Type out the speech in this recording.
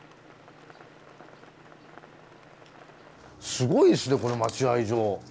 すごいですねこの待合所。